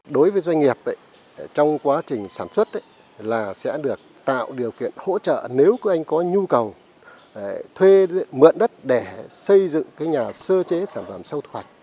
đối với doanh nghiệp trong quá trình sản xuất sẽ được tạo điều kiện hỗ trợ nếu anh có nhu cầu thuê mượn đất để xây dựng nhà sơ chế sản phẩm sau thu hoạch